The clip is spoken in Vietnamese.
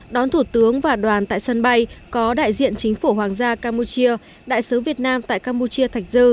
đón thủ tướng và đoàn tại sân bay có đại diện chính phủ hoàng gia campuchia đại sứ việt nam tại campuchia thạch dư